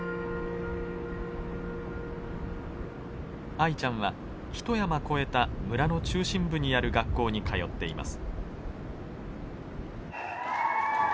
アイちゃんは１山越えた村の中心部にある学校に通っています。